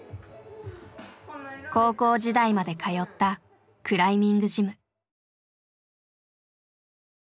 高校時代まで通ったクライミングジム。